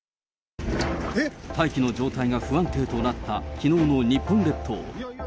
大気の状態が不安定となった、きのうの日本列島。